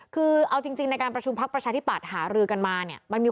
คือเอาจริงในการประชุมพักประชาธิปัตย์หารือกันมาเนี่ย